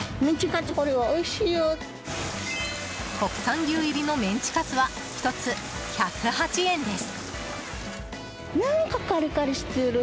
国産牛入りのメンチカツは１つ１０８円です。